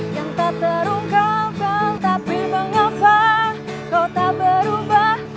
yang tak terungkapkan tapi mengapa kau tak berubah